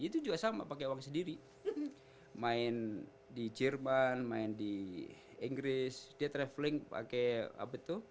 itu juga sama pakai uang sendiri main di jerman main di inggris dia traveling pakai apa itu